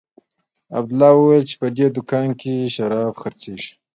عبدالله وويل چې په دې دوکانو کښې شراب خرڅېږي.